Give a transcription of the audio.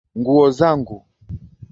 Nguo zangu